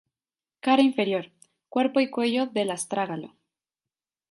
Cara inferior: Cuerpo y cuello del astrágalo.